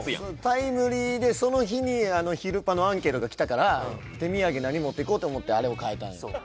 タイムリーでその日に「ひるパ！」のアンケートが来たから手土産何持っていこうって思ってあれを書いたんですよ